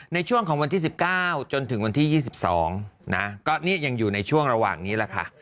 ในช่วงของวันที่๑๙จนถึงวันที่๒๒นะก็ยังอยู่ในช่วงระหว่างนี้แหละค่ะ